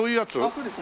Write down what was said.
そうです。